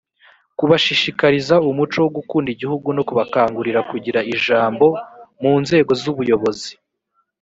kubashishikariza umuco wo gukunda igihugu no kubakangurira kugira ijambo mu nzego z ubuyobozi